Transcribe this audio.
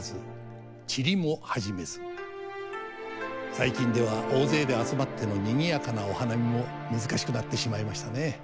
最近では大勢で集まってのにぎやかなお花見も難しくなってしまいましたね。